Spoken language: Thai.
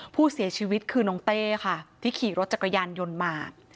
ผู้เสียชีวิตคือน้องเต้ค่ะที่ขี่รถจักรยานยนต์มา